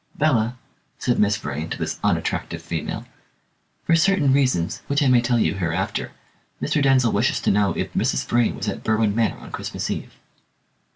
"Bella," said Miss Vrain to this unattractive female, "for certain reasons, which I may tell you hereafter, Mr. Denzil wishes to know if Mrs. Vrain was at Berwin Manor on Christmas Eve."